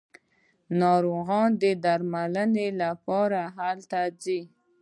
ناروغان د درملنې لپاره هلته ځي.